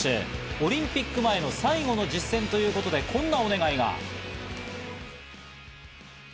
オリンピック前の最後の実戦ということでこんなお願いが。